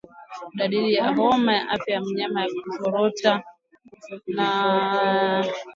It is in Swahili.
Dalili ya homa ya mapafu ni afya ya mnyama kuzorota